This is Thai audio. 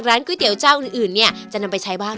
ร้านก๋วยเตี๋ยวเจ้าอื่นจะนำไปใช้บ้าง